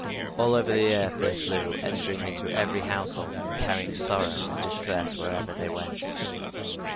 All over the earth they flew, entering into every household, and carrying sorrow and distress wherever they went.